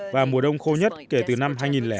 và mùa đông khô nhất kể từ năm hai nghìn chín